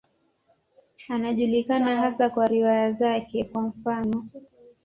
Anajulikana hasa kwa riwaya zake, kwa mfano.